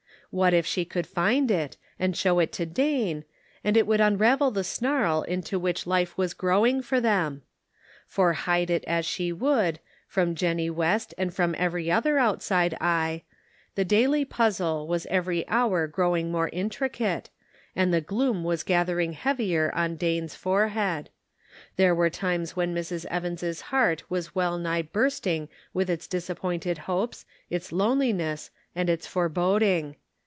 What if she could find it, and show it to Dane, and it would unravel the snarl into which life was growing for them ? For hide it as she would, from Jennie West and from every other out side eye, the daily puzzle was every hour growing more intricate, and the gloom was gathering heavier on Dane's forehead ; there were times when Mrs. Evans' heart was well nigh bursting with its disappointed hopes, its loneliness, and its foreboding.